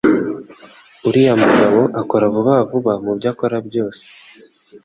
Uriya mugabo akora vuba vuba mubyo akora byose